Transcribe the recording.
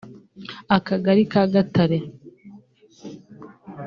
Akagari ka Gatare